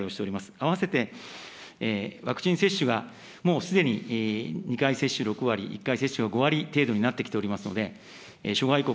あわせてワクチン接種がもうすでに２回接種６割、１回接種５割程度になってきておりますので、諸外国、